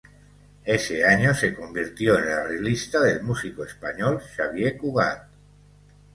Ese año se convirtió en el arreglista del músico español Xavier Cugat.